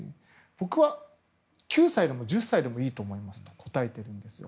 僕は９歳でも１０歳でもいいと思いますと答えています。